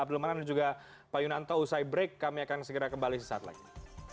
abdul manan dan juga pak yunanto usai break kami akan segera kembali sesaat lagi